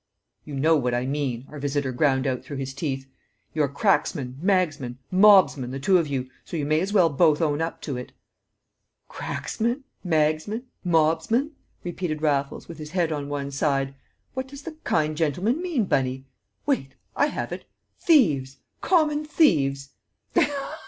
"You know what I mean," our visitor ground out through his teeth. "You're cracksmen, magsmen, mobsmen, the two of you; so you may as well both own up to it." "Cracksmen? Magsmen? Mobsmen?" repeated Raffles, with his head on one side. "What does the kind gentleman mean, Bunny? Wait! I have it thieves! Common thieves!"